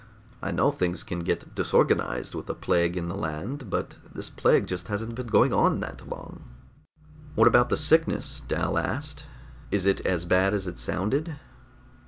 I know things can get disorganized with a plague in the land, but this plague just hasn't been going on that long." "What about the sickness?" Dal asked. "Is it as bad as it sounded?"